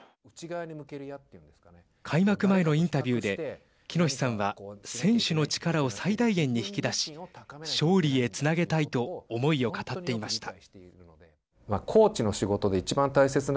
開幕前のインタビューで喜熨斗さんは選手の力を最大限に引き出し勝利へつなげたいと思いを語っていました。